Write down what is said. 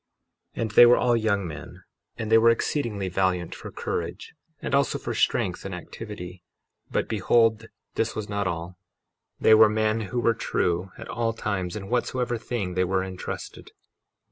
53:20 And they were all young men, and they were exceedingly valiant for courage, and also for strength and activity; but behold, this was not all—they were men who were true at all times in whatsoever thing they were entrusted.